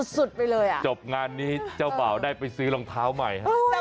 ซื้อใหม่ถูกกว่า